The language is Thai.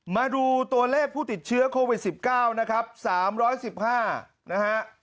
มาดูตัวเลขผู้ติดเชื้อโควิด๑๙นะครับ๓๑๕นะฮะ